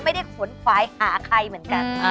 ไม่ได้ขนขวายหาใครเหมือนกัน